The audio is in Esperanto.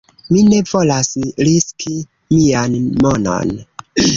Mi ne volas riski mian monon